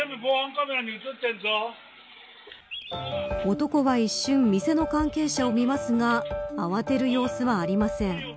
男は一瞬店の関係者を見ますが慌てる様子はありません。